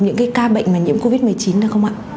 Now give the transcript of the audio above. những cái ca bệnh mà nhiễm covid một mươi chín được không ạ